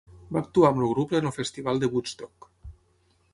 Va actuar amb el grup en el festival de Woodstock.